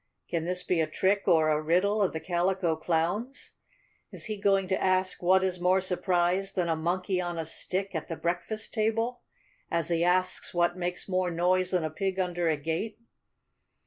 Can this be a trick or a riddle of the Calico Clown's? Is he going to ask what is more surprised than a Monkey on a Stick at the breakfast table, as he asks what makes more noise than a pig under a gate?"